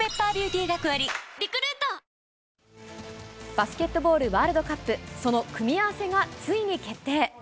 バスケットボールワールドカップ、その組み合わせがついに決定。